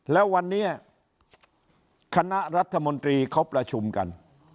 แล้ววันนี้คณะรัฐมนตรีเขาประชุมกัน